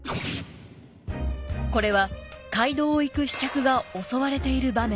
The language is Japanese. これは街道を行く飛脚が襲われている場面です。